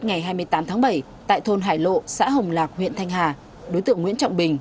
ngày hai mươi tám tháng bảy tại thôn hải lộ xã hồng lạc huyện thanh hà đối tượng nguyễn trọng bình